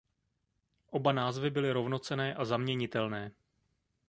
Oba názvy byly rovnocenné a zaměnitelné.